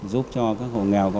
giúp cho các doanh nghiệp làm nhà ở